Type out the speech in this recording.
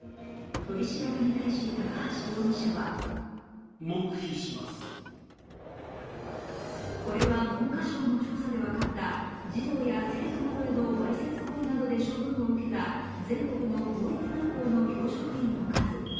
取り調べに対し、高橋容疑者はこれは文科省の調査で分かった児童や生徒などへのわいせつ行為などで処分を受けた全国の公立学校の教職員の数。